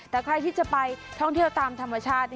แต่ใครที่จะไปท่องเที่ยวตามธรรมชาติ